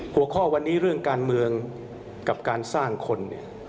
หัวข้อวันนี้เรื่องการเมืองกับการสร้างคนเนี่ย